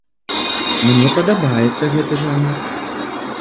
Мне падабаецца гэты жанр.